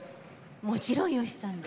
もちろん吉さんで。